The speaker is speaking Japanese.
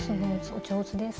お上手です。